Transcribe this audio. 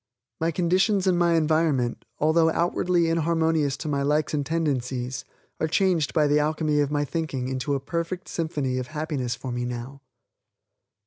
My conditions and my environment, although outwardly inharmonious to my likes and tendencies, are changed by the alchemy of my thinking into a perfect symphony of happiness for me now.